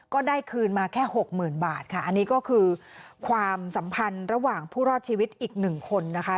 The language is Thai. ก็ได้คืนมาแค่หกหมื่นบาทค่ะอันนี้ก็คือความสัมพันธ์ระหว่างผู้รอดชีวิตอีกหนึ่งคนนะคะ